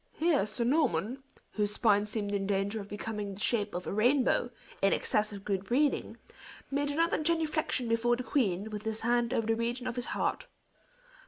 Here Sir Norman, whose spine seemed in danger of becoming the shape of a rainbow, in excess of good breeding, made another genuflection before the queen, with his hand over the region of his heart.